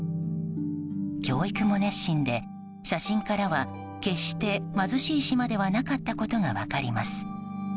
教育も熱心で、写真からは決して貧しい島ではなかったことが分かります。